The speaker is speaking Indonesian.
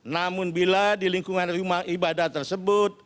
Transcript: namun bila di lingkungan rumah ibadah tersebut